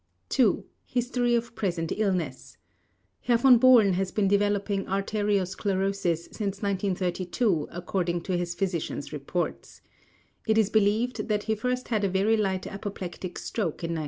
2. HISTORY OF PRESENT ILLNESS: Herr Von Bohlen has been developing arteriosclerosis since 1932 according to his physician's reports. It is believed that he first had a very light apoplectic stroke in 1937.